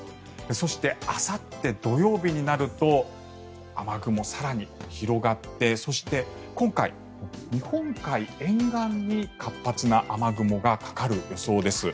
そして、あさって土曜日になると雨雲、更に広がってそして今回、日本海沿岸に活発な雨雲がかかる予想です。